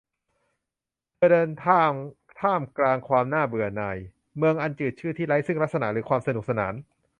เธอเดินทางท่ามกลางความน่าเบื่อหน่าย เมืองอันจืดชืดที่ไร้ซึ่งลักษณะหรือความสนุกสนาน